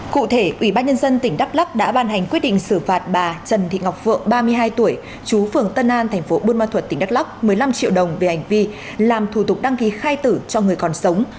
cụ thể ủy ban nhân dân tỉnh đắk lắc đã ban hành quyết định xử phạt bà trần thị ngọc phượng ba mươi hai tuổi chú phường tân an thành phố buôn ma thuật tỉnh đắk lắc một mươi năm triệu đồng về hành vi làm thủ tục đăng ký khai tử cho người còn sống